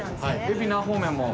海老名方面も。